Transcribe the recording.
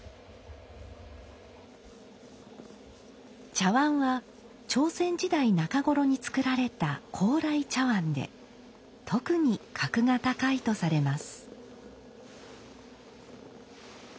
茶碗は朝鮮時代中ごろに作られた高麗茶碗で特に格が高いとされます。